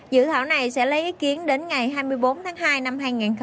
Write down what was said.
dự thảo này sẽ lấy ý kiến đến ngày hai mươi bốn tháng hai năm hai nghìn hai mươi